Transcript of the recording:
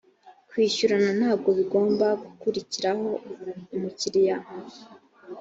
kwishyurana ntabwo bigomba gukuriraho umukiriya